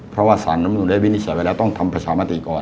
เพราะว่าสารน้ำนุนได้วินิจฉัยไปแล้วต้องทำประชามติก่อน